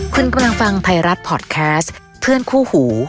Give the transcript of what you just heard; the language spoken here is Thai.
คุณกำลังฟังไทยรัฐพอร์ตแคสต์เพื่อนคู่หู